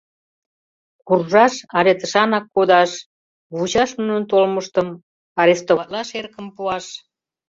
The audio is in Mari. Куржаш але тышанак кодаш, вучаш нунын толмыштым, арестоватлаш эрыкым пуаш?..